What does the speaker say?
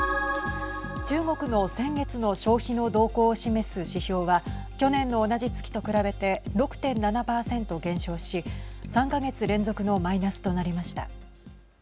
中国の先月の消費の動向を示す指標は去年の同じ月と比べて６．７％減少し３か月連続のマイナスとなりました。